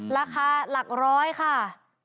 ราคาหลักร้อยค่ะ